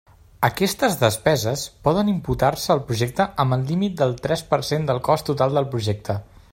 Aquestes despeses poden imputar-se al projecte amb el límit del tres per cent del cost total del projecte.